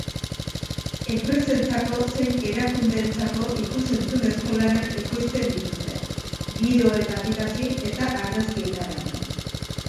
Enpresentzako zein erakundeentzako ikus-entzunezko lanak ekoizten dituzte, bideoetatik hasi eta argazkietaraino.